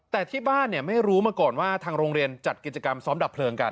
แต่ที่บ้านไม่รู้มาก่อนว่าทางโรงเรียนจัดกิจกรรมซ้อมดับเพลิงกัน